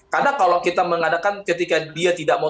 karena kalau kita mengadakan ketika dia tidak mau